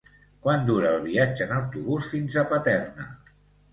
Quant dura el viatge en autobús fins a Paterna?